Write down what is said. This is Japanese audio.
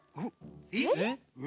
えっ？